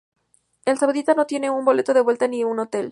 El saudita no tenía un boleto de vuelta ni un hotel.